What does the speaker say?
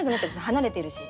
離れてるし。